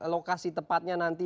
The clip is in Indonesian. lokasi tepatnya nanti